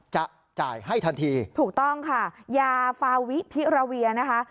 จะจ่ายให้ทันทีถูกต้องค่ะยาฟาวิพิราเวียนะคะ